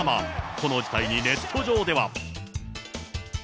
この事態にネット上では。